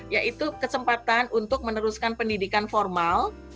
yaitu kesempatan untuk meneruskan pendidikan formal